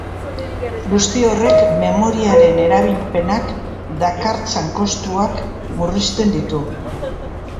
Guzti horrek memoriaren erabilpenak dakartzan kostuak murrizten ditu.